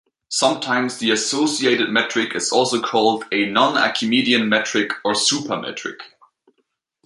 Sometimes the associated metric is also called a non-Archimedean metric or super-metric.